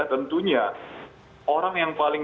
tentunya orang yang paling